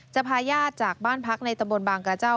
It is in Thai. พาญาติจากบ้านพักในตำบลบางกระเจ้า